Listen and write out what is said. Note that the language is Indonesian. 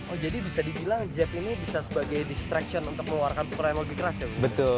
oh jadi bisa dibilang jab ini bisa sebagai distraction untuk meluarkan pukulan yang lebih keras ya bung chris